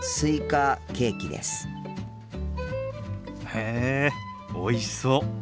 へえおいしそう。